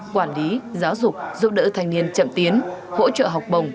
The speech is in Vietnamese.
quản lý giáo dục giúp đỡ thanh niên chậm tiến hỗ trợ học bồng